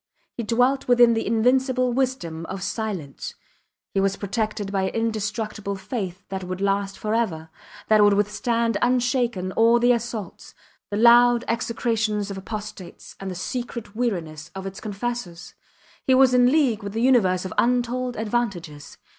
He dwelt within the invincible wisdom of silence; he was protected by an indestructible faith that would last forever, that would withstand unshaken all the assaults the loud execrations of apostates, and the secret weariness of its confessors! He was in league with a universe of untold advantages.